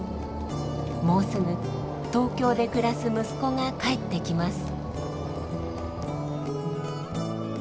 もうすぐ東京で暮らす息子が帰ってきます。